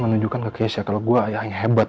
menunjukkan ke keisha kalau gue ayah yang hebat